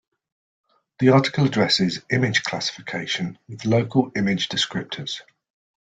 The article addresses image classification with local image descriptors.